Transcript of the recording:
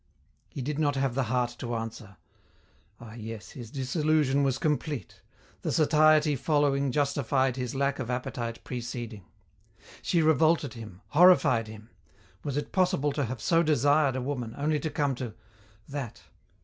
He did not have the heart to answer. Ah yes, his disillusion was complete. The satiety following justified his lack of appetite preceding. She revolted him, horrified him. Was it possible to have so desired a woman, only to come to that?